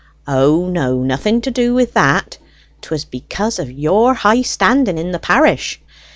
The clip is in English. "O, no; nothing to do with that. 'Twas because of your high standing in the parish.